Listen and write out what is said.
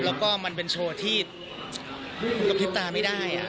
แล้วก็มันเป็นโชว์ที่กระพริบตาไม่ได้